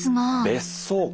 別荘か？